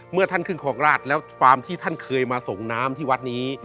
เมื่อท่านขึ้นครองราชแล้วฟาร์มที่ท่านเคยมาส่งน้ำที่วัดนี้